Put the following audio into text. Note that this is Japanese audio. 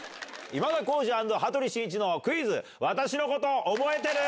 今田耕司＆羽鳥慎一のクイズ私のこと覚えてる？